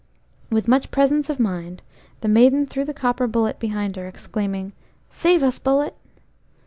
With much presence of mind, the maiden threw the copper bullet behind her, exclaiming, "Save us, bullet!"